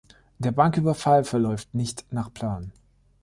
Der Banküberfall verläuft nicht nach Plan.